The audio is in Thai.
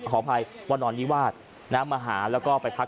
ขออภัยวันนอนนิวาส